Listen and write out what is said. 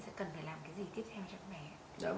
sẽ cần phải làm cái gì tiếp theo cho các bé